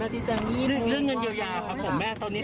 อ๋อแม่รู้สึกยังไงครับตอนนี้หลายคนจะมองว่าเจ็บแต่จบ